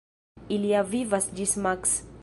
Ilia vivas ĝis maks.